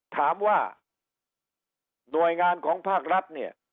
ถามว่าหน่วยงานของภาครัฐ